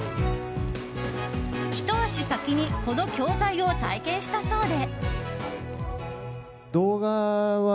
ひと足先にこの教材を体験したそうで。